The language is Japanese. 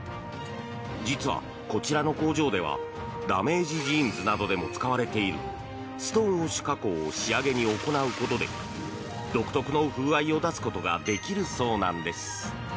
実は、こちらの工場ではダメージジーンズなどでも使われているストーンウォッシュ加工を仕上げに行うことで独特の風合いを出すことができるそうなんです。